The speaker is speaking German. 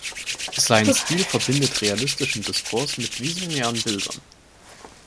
Sein Stil verbindet realistischen Diskurs mit visionären Bildern.